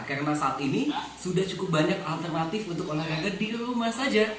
karena saat ini sudah cukup banyak alternatif untuk olahraga di rumah saja